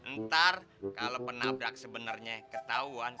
ntar kalo penabrak sebenernya ketauan